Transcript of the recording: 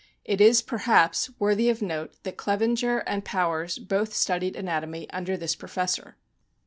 It is, perhaps, worthy of note, that Clevenger and Powers both studied anatomy under this professor.